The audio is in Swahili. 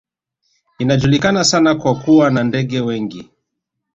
Inajulikana sana kwa kuwa na ndege wengi